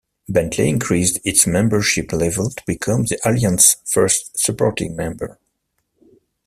Bentley increased its membership level to become the Alliance's first supporting member.